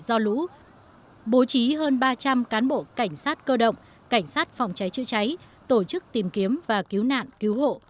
do lũ bố trí hơn ba trăm linh cán bộ cảnh sát cơ động cảnh sát phòng cháy chữa cháy tổ chức tìm kiếm và cứu nạn cứu hộ